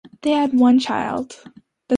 They had one child.